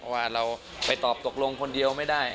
ว่าเราไปตอบตกลงคนเดียวไม่ได้